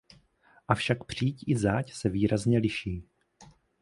Avšak příď i záď se výrazně liší.